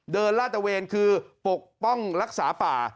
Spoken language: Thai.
เดินล่าตะเวนคือปกป้องรักษาป่า